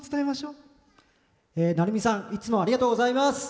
なるみさんいつもありがとうございます。